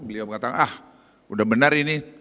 beliau mengatakan ah udah benar ini